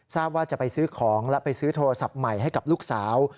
ทราบว่าจะไปซื้อของและไปซื้อโทรศัพท์ใหม่ให้กับลูกสาว